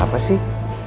ada apa sih